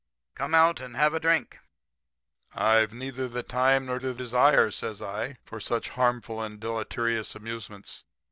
'Come out and have a drink.' "'I've neither the time nor the desire,' says I, 'for such harmful and deleterious amusements.